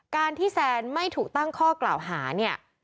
การที่แซนไม่ถูกตั้งข้อกล่าวหาเนี่ย